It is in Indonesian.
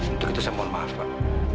untuk itu saya mohon maaf pak